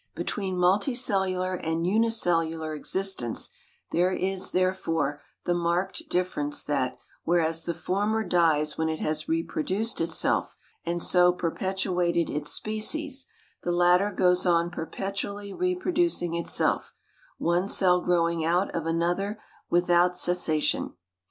Between multicellular and unicellular existence there is, therefore, the marked difference that, whereas the former dies when it has reproduced itself and so perpetuated its species, the latter goes on perpetually reproducing itself one cell growing out of another without cessation.